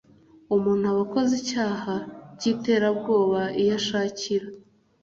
umuntu aba akoze icyaha cy iterabwoba iyo ashakira